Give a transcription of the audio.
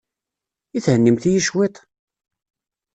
I thennimt-iyi cwiṭ?